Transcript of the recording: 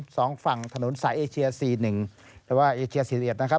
สองฝั่งถนนสายเอเชียร์๔๑